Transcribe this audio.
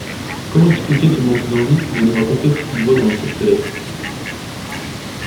Comment expliquer ce manque d’envie de nous raconter ce qu’il voit dans l’Empire Céleste?